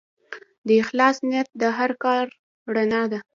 د اخلاص نیت د هر کار رڼا ده.